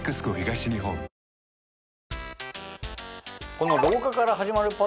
この廊下から始まるパターン